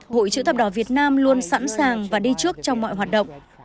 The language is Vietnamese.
hội chữ thập đỏ việt nam luôn sẵn sàng và đi trước trong mọi hoạt động